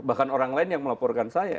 bahkan orang lain yang melaporkan saya